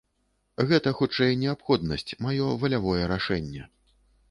Гэта, хутчэй, неабходнасць, маё валявое рашэнне.